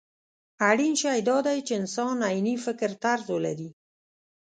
اړين شی دا دی چې انسان عيني فکرطرز ولري.